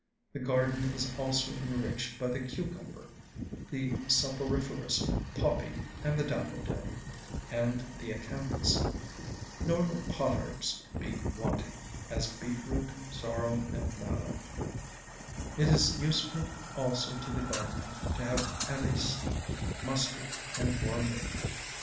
The garden is also enriched by the cucumber, the soporiferous poppy, and the daffodil, and the acanthus. Nor let pot herbs be wanting, as beet root, sorrel, and mallow. It is useful also to the gardener to have anise, mustard, and wormwood....